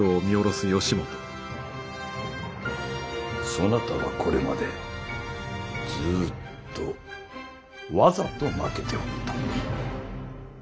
そなたはこれまでずっとわざと負けておった。